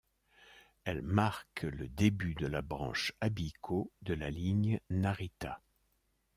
Elle marque le début de la branche Abiko de la ligne Narita.